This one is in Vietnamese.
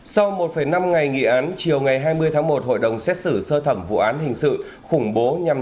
sau một năm ngày nghị án chiều ngày hai mươi tháng một hội đồng xét xử sơ thẩm vụ án hình sự khủng bố nhằm